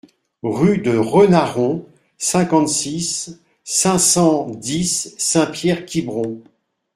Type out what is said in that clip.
Rue de Renaron, cinquante-six, cinq cent dix Saint-Pierre-Quiberon